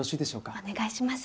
お願いします。